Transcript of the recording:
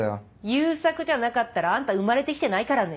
悠作じゃなかったらあんた生まれてきてないからね。